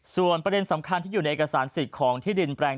ส่วนประเด็นสำคัญที่อยู่ในเอกสารสิทธิ์ของที่ดินแปลง